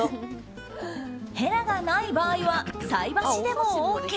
へらがない場合は菜箸でもＯＫ。